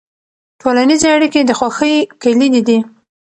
ټولنیزې اړیکې د خوښۍ کلیدي دي.